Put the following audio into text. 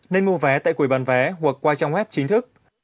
nên mua vé tại quầy bàn vé hoặc qua trong web chính thức